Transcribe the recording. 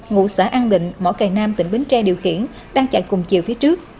ngụ xã an định mỏ cầy nam tỉnh bến tre điều khiển đang chạy cùng chiều phía trước